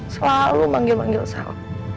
selalu manggil manggil sal